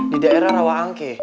di daerah rawangke